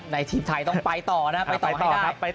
ในทีมไทยต้องไปต่อนะไปต่อให้ได้